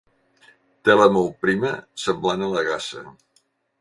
Tela molt prima semblant a la gasa.